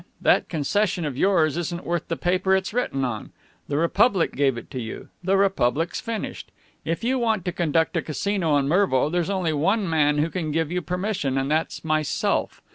That concession of yours isn't worth the paper it's written on. The Republic gave it to you. The Republic's finished. If you want to conduct a Casino in Mervo, there's only one man who can give you permission, and that's myself.